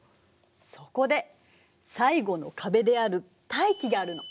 そこで最後の壁である大気があるの。